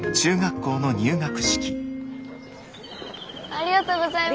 ありがとうございます。